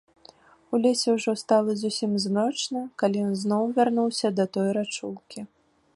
У лесе ўжо стала зусім змрочна, калі ён зноў вярнуўся да той рачулкі.